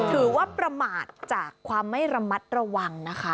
ถือว่าประมาทจากความไม่ระมัดระวังนะคะ